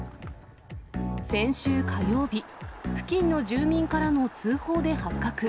先週火曜日、付近の住民からの通報で発覚。